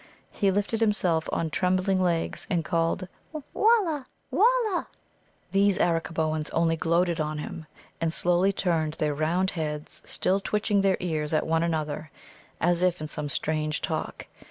He lifted himself on trembling legs, and called: "Walla, walla!" These Arakkaboans only gloated on him, and slowly turned their round heads, still twitching their ears at one another, as if in some strange talk.